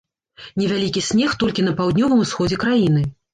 Невялікі снег толькі на паўднёвым усходзе краіны.